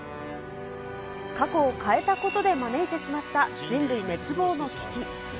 過去を変えたことで招いてしまった人類滅亡の危機。